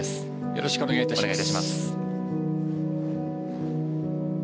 よろしくお願いします。